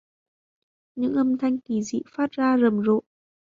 Những âm thanh kỳ dị phát ra rầm rộ